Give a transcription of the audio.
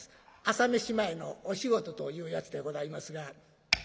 朝飯前のお仕事というやつでございますが。